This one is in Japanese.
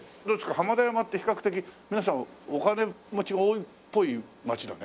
浜田山って比較的皆さんお金持ちが多いっぽい街だね。